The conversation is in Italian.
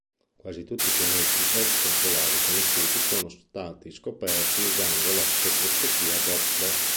Quasi tutti i pianeti extrasolari conosciuti sono stati scoperti usando la spettroscopia Doppler.